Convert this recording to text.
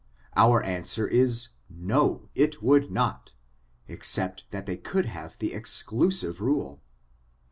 our answer is, no, it would not, except they could have the exclusive rule.